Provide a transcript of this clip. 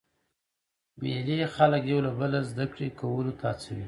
مېلې خلک یو له بله زده کړي کولو ته هڅوي.